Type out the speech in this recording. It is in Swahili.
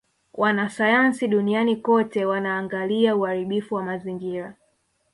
Wanasayansi duniani kote wanaangalia uharibifu wa mazingira